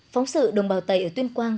phóng sự đồng bào tày ở tuyên quang